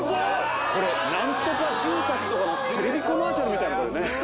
これ、なんとか住宅とかのテレビコマーシャルみたいね、これね。